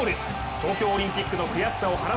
東京オリンピックの悔しさを晴ら